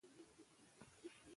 د جلغوزیو ځنګلونه ملي شتمني ده.